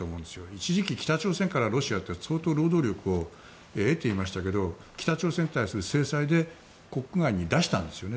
一時期、北朝鮮からロシアって相当労働力を得ていましたが北朝鮮に対する制裁で国外に出したんですよね。